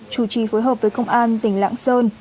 chủ trì phối hợp với công an tỉnh lạng sơn